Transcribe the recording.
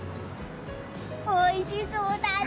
おいしそうだね！